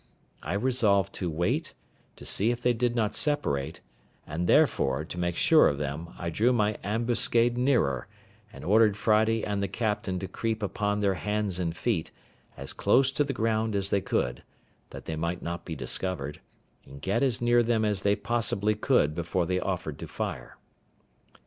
I resolved to wait, to see if they did not separate; and therefore, to make sure of them, I drew my ambuscade nearer, and ordered Friday and the captain to creep upon their hands and feet, as close to the ground as they could, that they might not be discovered, and get as near them as they could possibly before they offered to fire.